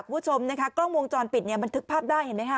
คุณผู้ชมนะคะกล้องวงจรปิดเนี่ยบันทึกภาพได้เห็นไหมคะ